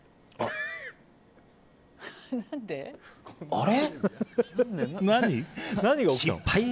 あれ？